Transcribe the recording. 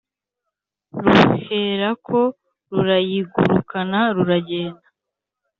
ruherako rurayigurukana ruragenda